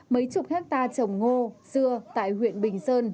mấy chục hectare trồng ngô dưa tại huyện bình sơn